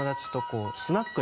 スナック？